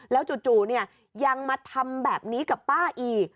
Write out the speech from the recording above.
แล้วจู่ยังมาทำแบบนี้กับป้าอีก